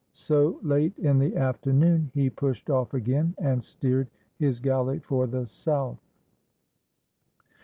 So, late in the afternoon he pushed off again and steered his galley for the south.